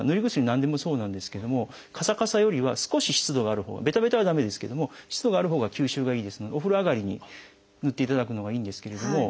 何でもそうなんですけれどもカサカサよりは少し湿度があるほうがベタベタは駄目ですけれども湿度があるほうが吸収がいいですのでお風呂上がりにぬっていただくのがいいんですけれども。